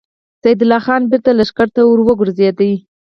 سيدال خان بېرته لښکر ته ور وګرځېد.